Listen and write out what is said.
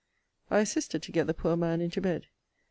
I assisted to get the poor man into bed.